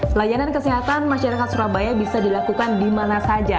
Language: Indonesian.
pelayanan kesehatan masyarakat surabaya bisa dilakukan di mana saja